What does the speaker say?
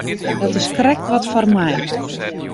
Dat is krekt wat foar my.